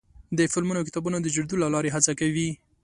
د فلمونو او کتابونو د جوړېدو له لارې هڅه کوي.